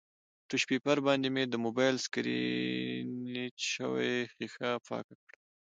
ټیشو پیپر باندې مې د مبایل سکریچ شوې ښیښه پاکه کړه